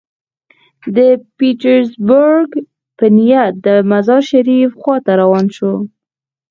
د پیټرزبورګ په نیت د مزار شریف خوا ته روان شو.